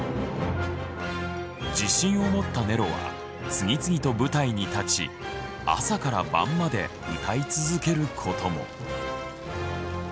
自信を持ったネロは次々と舞台に立ち朝から晩まで歌い続ける事も。